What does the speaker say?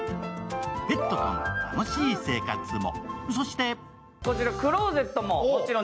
ペットとの楽しい生活も。